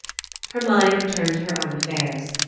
Her mind returned to her own affairs.